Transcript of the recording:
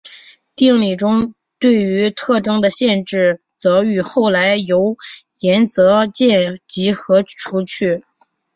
定理中对于特征的限制则与后来由岩泽健吉和除去。